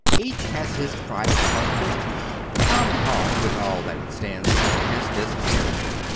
Each has his private front door. The common hall, with ail that it stands for, has disappeared.